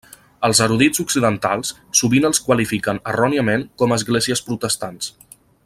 Els erudits occidentals sovint els qualifiquen erròniament com esglésies protestants.